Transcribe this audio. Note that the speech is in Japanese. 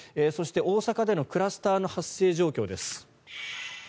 そして、大阪でのクラスターの発生状況です。